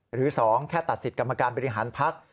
หรือ๒แค่ตัดสิทธิ์กรรมการบริหารพัก